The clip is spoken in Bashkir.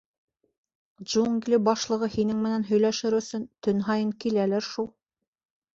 Джунгли башлығы һинең менән һөйләшер өсөн төн һайын киләлер шул.